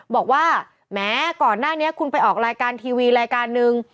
บอกว่าแม้ก่อนหน้านี้คุณไปออกรายการทีวีรายการนึง